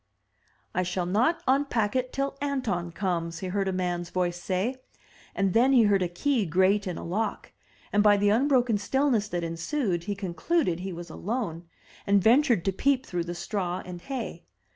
"I shall not unpack it till Anton comes,'* he heard a man's voice say; and then he heard a key grate in a lock, and by the unbroken stillness that ensued he concluded he was alone, and 300 THE TREASURE CHEST ventured to peep through the straw and hay.